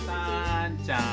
燦ちゃん。